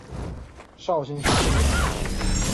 绍兴十四年。